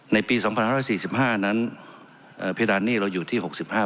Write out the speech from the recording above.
ในปี๒๕๔๕นั้นเพดานหนี้เราอยู่ที่๖๕